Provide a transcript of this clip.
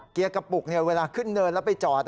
เกียร์กระปุกเวลาขึ้นเนินแล้วไปจอด